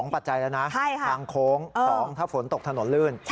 ปัจจัยแล้วนะทางโค้ง๒ถ้าฝนตกถนนลื่น